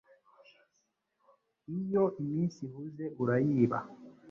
Iyo iminsi ihuze urayiba